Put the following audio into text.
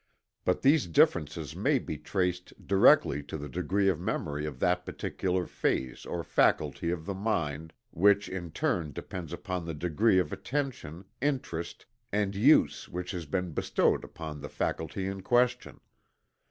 But these differences may be traced directly to the degree of memory of that particular phase or faculty of the mind, which in turn depends upon the degree of attention, interest, and use which has been bestowed upon the faculty in question.